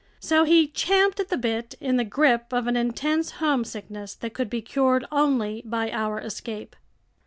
So he champed at the bit, in the grip of an intense homesickness that could be cured only by our escape.